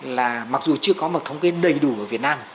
là mặc dù chưa có mật thống kênh đầy đủ ở việt nam